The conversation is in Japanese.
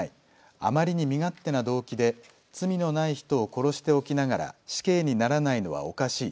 あまりに身勝手な動機で罪のない人を殺しておきながら死刑にならないのはおかしい。